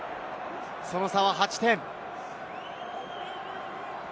その差は８点。